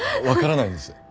分からないんです